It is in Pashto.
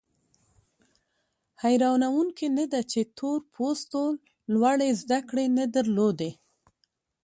حیرانوونکي نه ده چې تور پوستو لوړې زده کړې نه درلودې.